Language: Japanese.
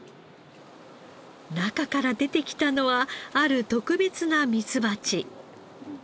中から出てきたのはある特別なミツバチ。